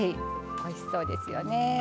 おいしそうですよね。